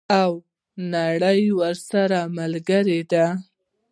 او نړۍ ورسره ملګرې ده.